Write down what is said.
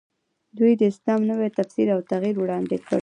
دوی د اسلام نوی تفسیر او تعبیر وړاندې کړ.